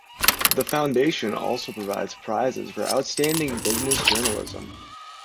The foundation also provides prizes for outstanding business journalism.